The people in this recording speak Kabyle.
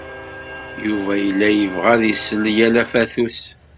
Yuba yella yebɣa ad isel yal afatus.